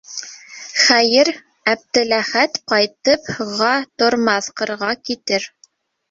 Хәйер, Әптеләхәт ҡайтып га тормаҫ, ҡырға китер.